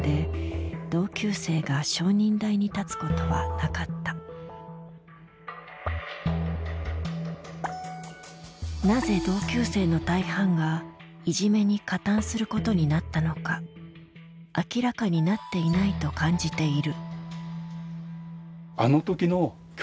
しかし８年に及ぶ裁判でなぜ同級生の大半がいじめに加担することになったのか明らかになっていないと感じている。